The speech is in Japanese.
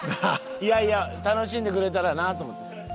いやいや楽しんでくれたらなと思って。